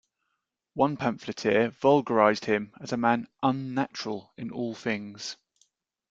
One pamphleteer vulgarized him as a man "unnatural" in all things.